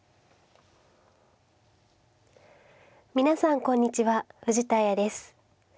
皆さんこんにちは藤田綾です。